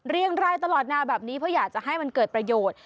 รายตลอดนาแบบนี้เพราะอยากจะให้มันเกิดประโยชน์